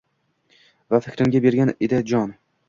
Va fikrimga bergan edi jon